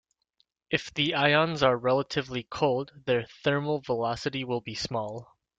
If the ions are relatively cold, their thermal velocity will be small.